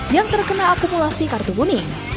yang terkena akumulasi kartu kuning